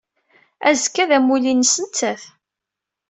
Azekka d amulli-nnes nettat.